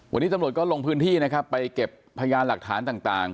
วันนี้ตำรวจก็ลงพื้นที่นะครับไปเก็บพยานหลักฐานต่าง